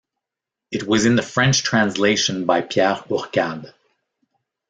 It was in the French translation by Pierre Hourcade.